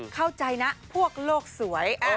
เข้าใจนะพวกโลกสวย